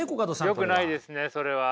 よくないですねそれは。